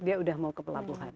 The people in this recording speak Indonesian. dia udah mau ke pelabuhan